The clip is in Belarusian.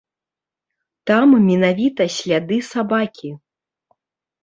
Там менавіта сляды сабакі.